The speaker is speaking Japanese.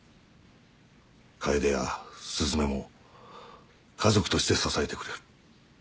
楓や雀も家族として支えてくれる。